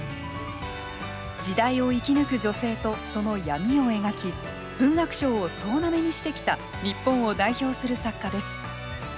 時代を生き抜く女性とその闇を描き文学賞を総なめにしてきた日本を代表する作家です。